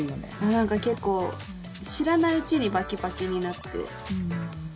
何か結構知らないうちにバキバキになって。